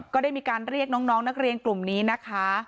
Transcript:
ก็ได้มีการเรียกน้องนักเรียนกลุ่มนี้นะคะ